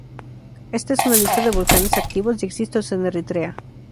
Esta es una lista de volcanes activos y extintos en Eritrea.